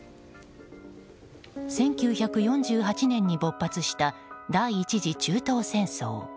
１９４８年に勃発した第１次中東戦争。